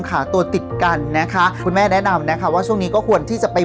ขาตัวติดกันนะคะคุณแม่แนะนำนะคะว่าช่วงนี้ก็ควรที่จะไป